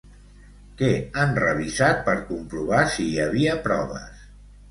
Què han revisat per comprovar si hi havia proves?